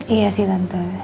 iya sih tante